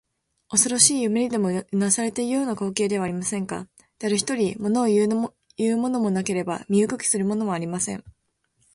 おそろしい夢にでもうなされているような光景ではありませんか。だれひとり、ものをいうものもなければ身動きするものもありません。